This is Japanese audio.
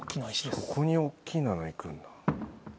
そこに大っきなの行くんだ。